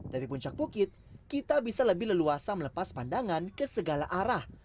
dari puncak bukit kita bisa lebih leluasa melepas pandangan ke segala arah